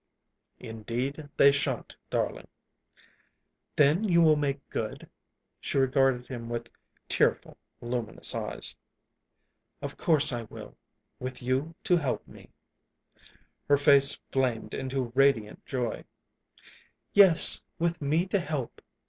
"Indeed they shan't, darling." "Then you will make good?" she regarded him with tearful, luminous eyes. "Of course I will with you to help me." Her face flamed into radiant joy. "Yes, with me to help!